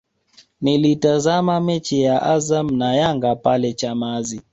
Nilitazama mechi ya Azam na Yanga pale Chamazi